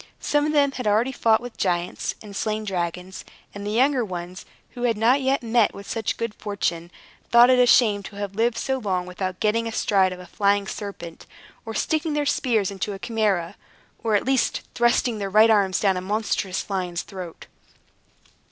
Some of them had already fought with giants, and slain dragons; and the younger ones, who had not yet met with such good fortune, thought it a shame to have lived so long without getting astride of a flying serpent, or sticking their spears into a Chimaera, or, at least, thrusting their right arms down a monstrous lion's throat.